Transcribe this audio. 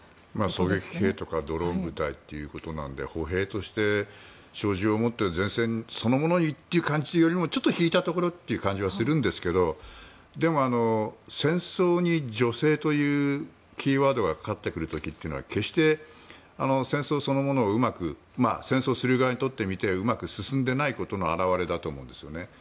狙撃兵とかドローン部隊ということなので歩兵として小銃を持って前線そのものにというよりもちょっと引いたところという感じはするんですがでも、戦争に女性というキーワードがかかってくる時というのは決して戦争そのものをうまく戦争する側にとってはうまく進んでいないことの表れだと思うんですよね。